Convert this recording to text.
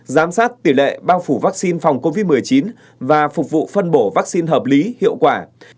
giám sát tỷ lệ bao phủ vaccine phòng covid một mươi chín và phục vụ phân bổ vaccine hợp lý hiệu quả